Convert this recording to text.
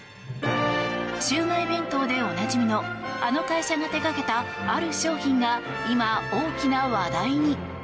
シウマイ弁当でおなじみのあの会社が手掛けた、ある商品が今、大きな話題に。